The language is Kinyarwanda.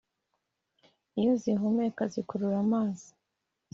Iyo zihumeka zikurura amazi